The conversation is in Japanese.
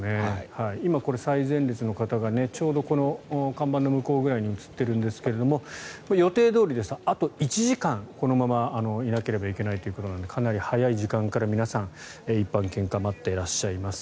今これ、最前列の方がちょうど看板の向こうぐらいに映っているんですが予定どおりだと、あと１時間このまま、いなければいけないということなのでかなり早い時間から皆さん、一般献花を待ってらっしゃいます。